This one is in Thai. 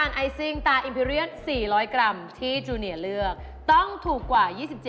๕๘กรัมงั้นแพงป่ะ